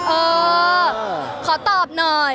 เออขอตอบหน่อย